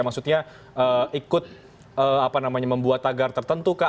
maksudnya ikut membuat tagar tertentu kah